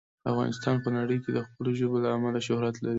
افغانستان په نړۍ کې د خپلو ژبو له امله شهرت لري.